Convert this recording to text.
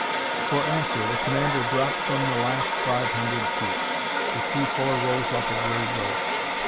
For answer, the commander dropped them the last five hundred feet. The sea floor rose like a gray ghost.